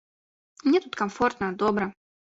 Мне тут камфортна, добра.